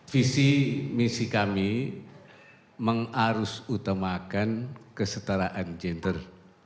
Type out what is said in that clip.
visi misi kami mengarus utamakan kesetaraan gender